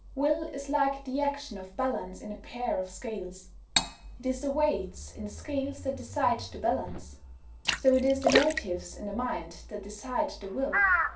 Will is like the action of balance in a pair of scales. It is the weights in the scales that decide the balance. So it is the motives in the mind that decide the will.